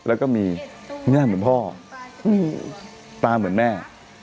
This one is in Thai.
แล้วก็มีหน้าเหมือนพ่อตาเหมือนแม่